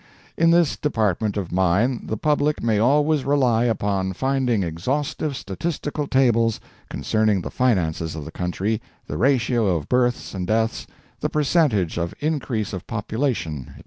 ] In this department of mine the public may always rely upon finding exhaustive statistical tables concerning the finances of the country, the ratio of births and deaths; the percentage of increase of population, etc.